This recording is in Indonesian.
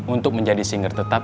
untuk menjadi singer tetap